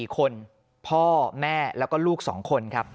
๔คนพ่อแม่แล้วก็ลูก๒คนครับ